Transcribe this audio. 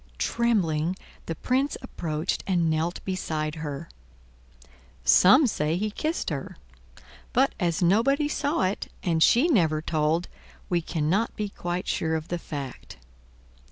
Trembling, the Prince approached and knelt beside her. Some say he kissed her; but as nobody saw it, and she never told, we cannot be quite sure of the fact.